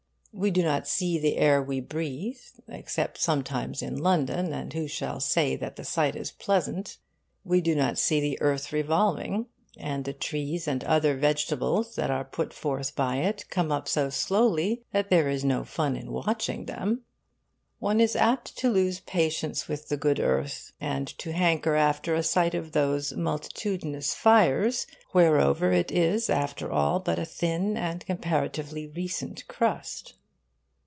We do not see the air we breathe except sometimes in London, and who shall say that the sight is pleasant? We do not see the earth revolving; and the trees and other vegetables that are put forth by it come up so slowly that there is no fun in watching them. One is apt to lose patience with the good earth, and to hanker after a sight of those multitudinous fires whereover it is, after all, but a thin and comparatively recent crust.